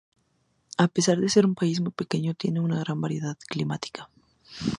A pesar de ser un país muy pequeño, tiene una gran variedad climática.